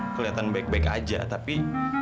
kelihatan baik baik aja tapi